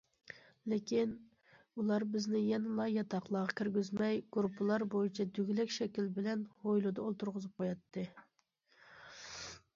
لېكىن، ئۇلار بىزنى يەنىلا ياتاقلارغا كىرگۈزمەي، گۇرۇپپىلار بويىچە دۈگىلەك شەكىل بىلەن ھويلىدا ئولتۇرغۇزۇپ قوياتتى.